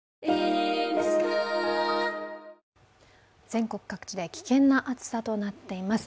全国各地で危険な暑さとなっています。